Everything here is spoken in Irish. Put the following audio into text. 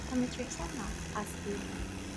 Táimid rite amach as úlla.